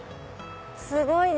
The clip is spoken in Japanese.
すごいね！